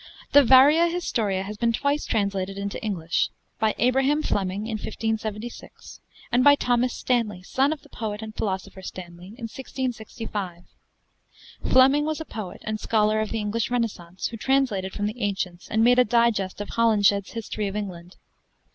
The 'Varia Historia' has been twice translated into English: by Abraham Fleming in 1576, and by Thomas Stanley, son of the poet and philosopher Stanley, in 1665. Fleming was a poet and scholar of the English Renaissance, who translated from the ancients, and made a digest of Holinshed's 'Historie of England.'